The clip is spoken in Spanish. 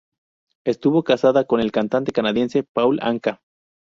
Estuvo casada con el cantante canadiense Paul Anka.